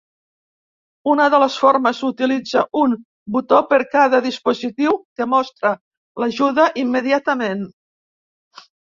Una de les formes utilitza un botó per cada dispositiu que mostra l'ajuda immediatament.